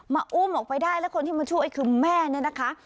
อุ้มออกไปได้แล้วคนที่มาช่วยคือแม่เนี่ยนะคะ